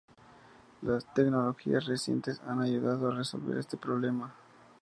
Tecnologías recientes han ayudado a resolver este problema.